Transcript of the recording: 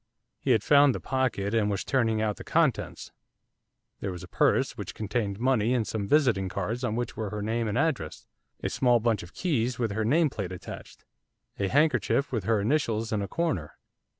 He had found the pocket, and was turning out the contents. There was a purse, which contained money and some visiting cards on which were her name and address; a small bunch of keys, with her nameplate attached; a handkerchief, with her initials in a corner.